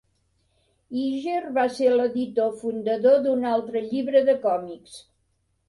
Iger va ser l'editor fundador d'un altre llibre de còmics.